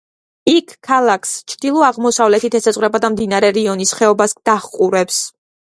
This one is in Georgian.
ის ქალაქს ჩრდილო-აღმოსავლეთით ესაზღვრება და მდინარე რიონის ხეობას დაჰყურებს.